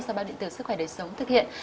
do báo điện tử sức khỏe đời sống thực hiện